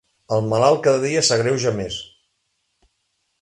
El malalt cada dia s'agreuja més.